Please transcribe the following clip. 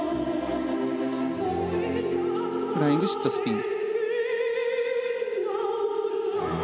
フライングシットスピン。